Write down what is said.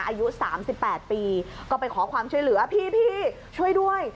อายุ๓๘ปีก็ไปขอความช่วยเหลือพี่ช่วยด้วย